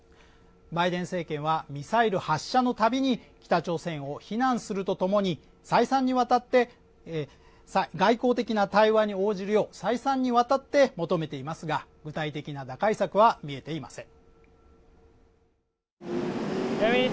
バイデン政権はミサイル発射のたびに北朝鮮を非難するとともに外交的な対話に応じるよう再三にわたって求めていますが具体的な打開策は見えていません